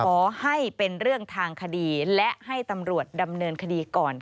ขอให้เป็นเรื่องทางคดีและให้ตำรวจดำเนินคดีก่อน